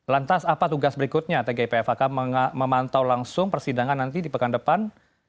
lantas apa tugas berikutnya tgpf akan memantau langsung persidangan nanti di pekan depan